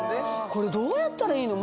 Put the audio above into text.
これどうやったらいいの？